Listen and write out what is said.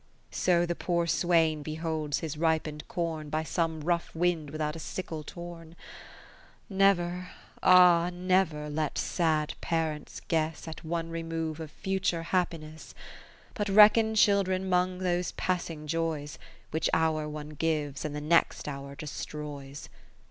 So the poor swain beholds his ripen'd corn Ey some rough wind without a sickle torn. Never, ah ! never let sad parents guess At one remove of future happinfess: But reckon children 'mong those passing joys, Which one hour gives, and the next hour destroys.